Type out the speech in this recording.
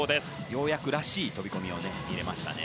ようやく、らしい飛込が見られましたね。